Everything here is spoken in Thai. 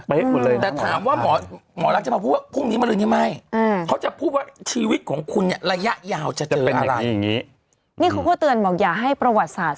แต่ถามว่าเหมาะลักษณ์จะบอกว่า